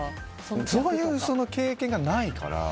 そういう経験がないから。